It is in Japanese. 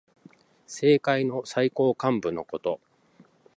政界の最高幹部のこと。